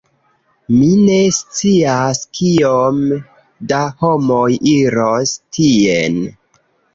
Mi ne scias kiom da homoj iros tien